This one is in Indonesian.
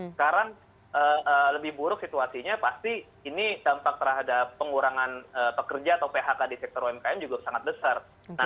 sekarang lebih buruk situasinya pasti ini dampak terhadap pengurangan pekerja atau phk di sektor umkm juga sangat besar